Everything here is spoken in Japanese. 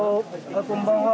こんばんは。